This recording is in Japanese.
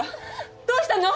どうしたの！？